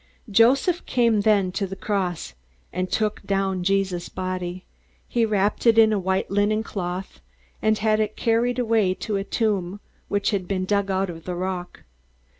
Joseph came then to the cross, and took down Jesus' body. He wrapped it in a white linen cloth, and had it carried away to a tomb which had been dug out of the rock.